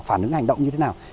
phản ứng hành động như thế nào